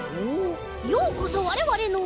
ようこそわれわれの。